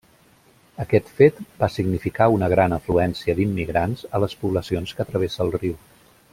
Aquest fet va significar una gran afluència d'immigrants a les poblacions que travessa el riu.